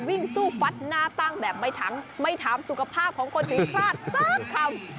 วิ่งสู้ฟัดหนาตั้งแบบไม่ถามสุขภาพของคนที่คราดสักคำ